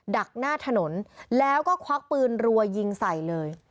ักหน้าถนนแล้วก็ควักปืนรัวยิงใส่เลย